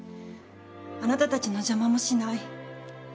あなたたちの邪魔もしない。